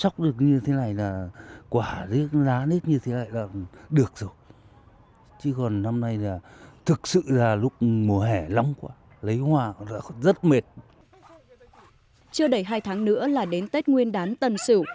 chưa đầy hai tháng nữa là đến tết nguyên đán tân sự